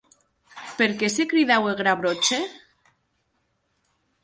Per qué se cridaue Gravroche?